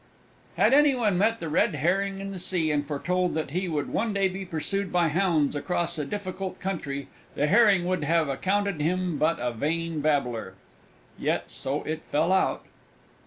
Had anyone met the Red Herring in the sea and foretold that he would one day be pursued by Hounds across a difficult country, the Herring would have accounted him but a vain babbler. Yet so it fell out!